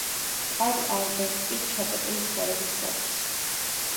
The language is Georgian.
კარლ ალბრეხტი ჩაკეტილი ცხოვრებით ცხოვრობს.